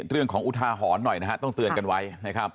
เรื่องของอุทาหอนหน่อยนะฮะต้องเตือนกันไว้นะครับ